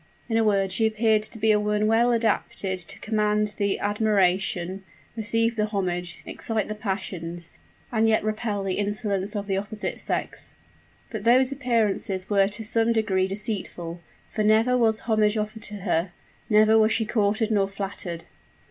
In a word, she appeared to be a woman well adapted to command the admiration receive the homage excite the passions and yet repel the insolence of the opposite sex. But those appearances were to some degree deceitful; for never was homage offered to her never was she courted nor flattered.